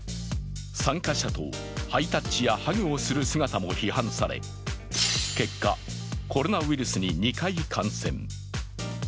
参加者とハイタッチやハグをする姿も批判され、結果、コロナウイルスに２回感染。